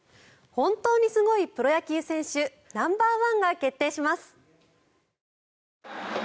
本当にすごいプロ野球選手ナンバーワンが決定します。